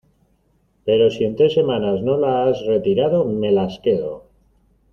pero si, en tres semanas , no la has retirado , me las quedo.